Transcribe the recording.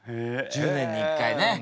１０年に１回ね。